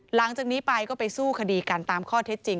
หลังจากนี้ไปก็ไปสู้คดีกันตามข้อเท็จจริง